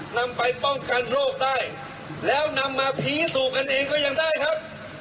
นำไปป้องกันโรคได้แล้วนำมาพิสูจน์กันเองก็ยังได้ครับ